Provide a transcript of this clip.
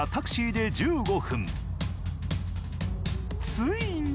ついに。